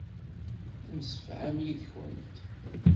Temsefham yid-kent.